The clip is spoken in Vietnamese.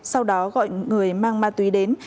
sau đó gọi người mang ma túy đến